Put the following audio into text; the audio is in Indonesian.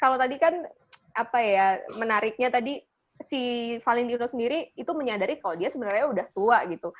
kalau tadi kan apa ya menariknya tadi si valentino sendiri itu menyadari kalau dia sebenarnya udah tua gitu